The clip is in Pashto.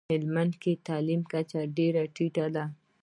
هلمندکي دتعلیم کچه ډیره ټیټه ده